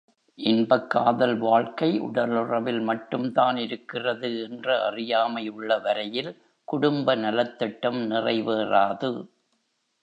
இன்பக் காதல் வாழ்க்கை உடலுறவில் மட்டும்தான் இருக்கிறது என்ற அறியாமை உள்ள வரையில், குடும்ப நலத்திட்டம் நிறைவேறாது.